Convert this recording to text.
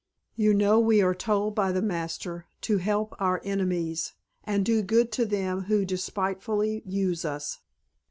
You know we are told by the Master to help our enemies and do good to them who despitefully use us."